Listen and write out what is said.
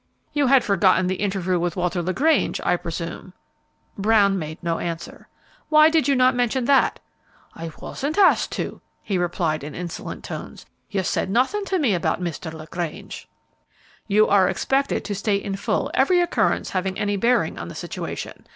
"You had forgotten the interview with Walter LaGrange, I presume." Brown made no answer. "Why did you not mention that?" "I wasn't asked to," he replied in insolent tones; "you said nothing to me about Mr. LaGrange." "You are expected to state in full every occurrence having any bearing on the situation.